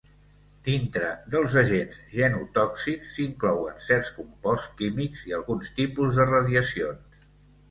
Dintre dels agents genotòxics s'inclouen certs composts químics i alguns tipus de radiacions.